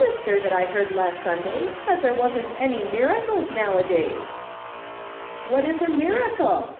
ster that 1 lieard last Sunday said there wasn't any miracles nowadays,' "' What is a miracle